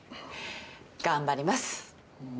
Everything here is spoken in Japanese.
頑張ります。